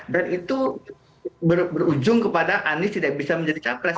dan itu berujung kepada anies tidak bisa menjadi capres